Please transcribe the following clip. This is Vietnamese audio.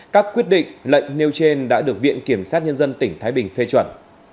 các quyết định lệnh nêu trên đã được viện kiểm sát nhân dân tỉnh thái bình phê chuẩn